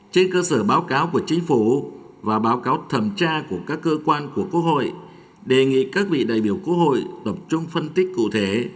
trên cơ sở báo cáo của chính phủ và báo cáo thẩm tra của các cơ quan của quốc hội đề nghị các vị đại biểu quốc hội tập trung phân tích cụ thể